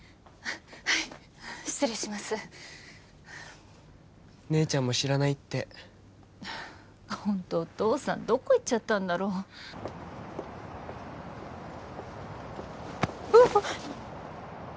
はい失礼します姉ちゃんも知らないってホントお父さんどこ行っちゃったんだろううわっ！